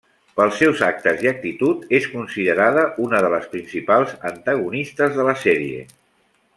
Pels seus actes i actitud és considerada una de les principals antagonistes de la sèrie.